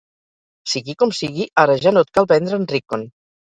Sigui com sigui, ara ja no et cal vendre en Rickon.